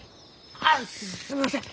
あっすみません！